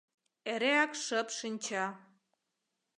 Эреак шып шинча.